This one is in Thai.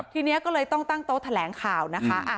ทีนี้ก็เลยต้องตั้งโต๊ะแถลงข่าวนะคะ